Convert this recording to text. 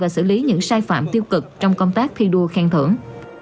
và xử lý những sai phạm tiêu cực trong công tác thi đua khen thưởng